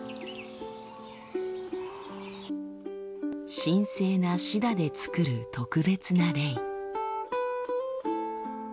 神聖なシダで作る特別なレイ。